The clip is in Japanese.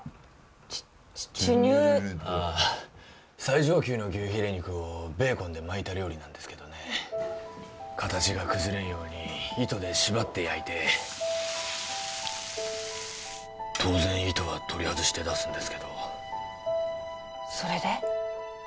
チュチュニュルトゥヌルド最上級の牛ヒレ肉をベーコンで巻いた料理なんですけどね形が崩れんように糸で縛って焼いて当然糸は取り外して出すんですけどそれで？